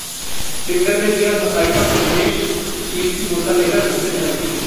singer ने दिया सफाई पर संदेश, स्टील की बोतल लेकर घर से निकलती हूं